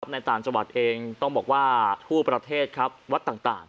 ในต่างจังหวัดเองต้องบอกว่าทั่วประเทศครับวัดต่าง